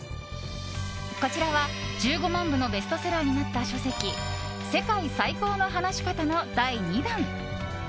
こちらは１５万部のベストセラーになった書籍「世界最高の話し方」の第２弾。